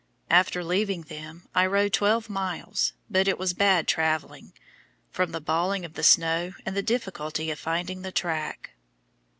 After leaving them I rode twelve miles, but it was "bad traveling," from the balling of the snow and the difficulty of finding the track.